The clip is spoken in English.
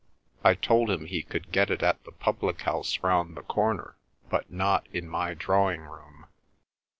I told him he could get it at the public house round the corner, but not in my drawing room."